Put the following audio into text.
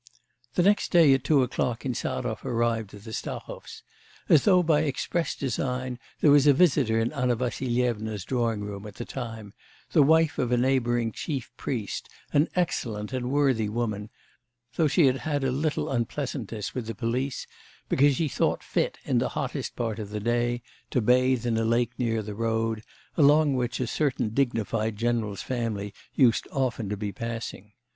The next day at two o'clock Insarov arrived at the Stahovs'. As though by express design, there was a visitor in Anna Vassilyevna's drawing room at the time, the wife of a neighbouring chief priest, an excellent and worthy woman, though she had had a little unpleasantness with the police, because she thought fit, in the hottest part of the day, to bathe in a lake near the road, along which a certain dignified general's family used often to be passing.